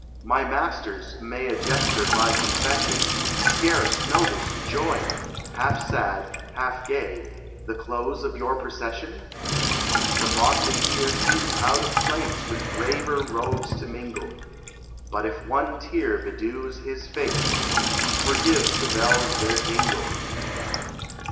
— My Masters, may A Jester by confession, Scarce noticed join, half sad, half gay, The close of your procession ? The motley here seems out of place With graver robes to mingle ; But if one tear bedews his face, Forgive the bells their jingle.